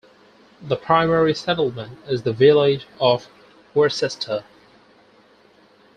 The primary settlement is the village of Worcester.